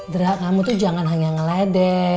drah kamu tuh jangan hanya ngeledek